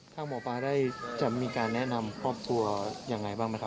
ถ้าหมอบาลได้จะมีการแนะนำครอบตัวอย่างไรบ้างไหมครับ